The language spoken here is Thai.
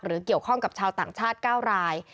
เกี่ยวข้องกับชาวต่างชาติ๙ราย